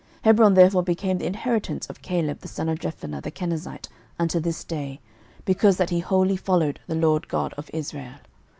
06:014:014 Hebron therefore became the inheritance of Caleb the son of Jephunneh the Kenezite unto this day, because that he wholly followed the LORD God of Israel.